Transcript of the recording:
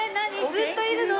ずっといるの？